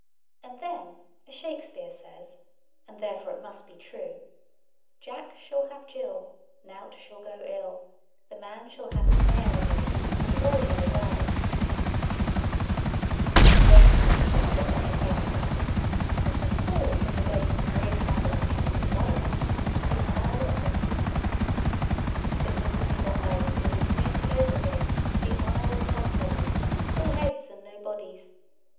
And then, as Shakespeare says (and therefore it must be true)— "Jack shall have Gill Nought shall go ill The man shall have his mare again, and all go well." Then Tom came to a very famous island, which was called, in the days of the great traveller Captain Gulliver, the Isle of Laputa. But Mrs. Bedonebyasyoudid has named it over again the Isle of Tomtoddies, all heads and no bodies.